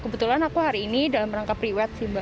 kebetulan aku hari ini dalam rangka priwet sih mbak